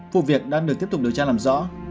vụ việc đang được tiếp tục điều tra làm rõ